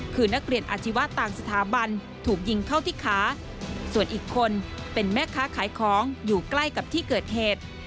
คือนักเรียนอาชีวะต่างสถาบันถูกยิงเข้าที่ขาส่วนอีกคนเป็นแม่ค้าขายของอยู่ใกล้กับที่เกิดเหตุ